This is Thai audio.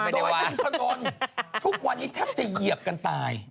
โดยอินทนนท์ทุกวันนี้แทบจะเหยียบกันตาย